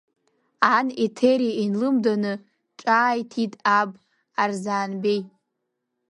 Ан Еҭери инлымданы ҿааиҭит аб Арзаабеи.